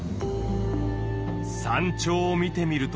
山頂を見てみると。